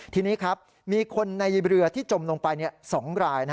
ทีนี้ครับมีคนในเรือที่จมลงไป๒ราย